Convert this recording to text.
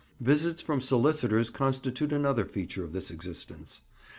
Visits from solicitors constitute another feature of this existence.